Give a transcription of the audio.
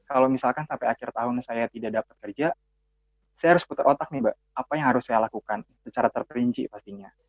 apa yang harus saya lakukan secara terperinci pastinya